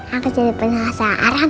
aku jadi penyelamat seorang orang